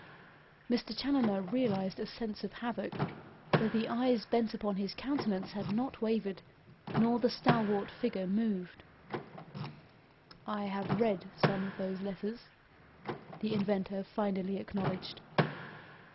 Mr. Challoner realised a sense of havoc, though the eyes bent upon his countenance had not wavered, nor the stalwart figure moved. "I have read some of those letters," the inventor finally acknowledged.